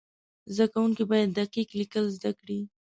زده کوونکي باید دقیق لیکل زده کړي.